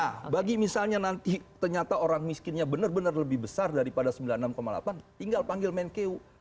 nah bagi misalnya nanti ternyata orang miskinnya benar benar lebih besar daripada sembilan puluh enam delapan tinggal panggil menkeu